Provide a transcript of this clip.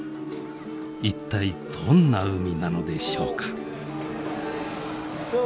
一体どんな海なのでしょうか。